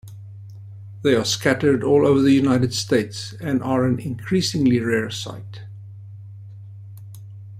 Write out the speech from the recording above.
They are scattered all over the United States and are an increasingly rare sight.